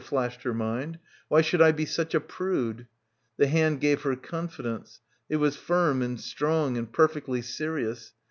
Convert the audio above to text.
flashed her mind. Why should I be such a prude? The hand gave her confidence. It was firm and strong and perfectly serious.